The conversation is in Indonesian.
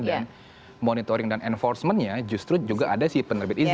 dan monitoring dan enforcementnya justru juga ada sih penerbit izin